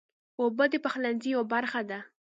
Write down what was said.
اوبه د پخلنځي یوه برخه ده.